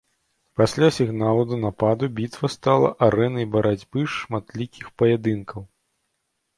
Пасля сігналу да нападу бітва стала арэнай барацьбы шматлікіх паядынкаў.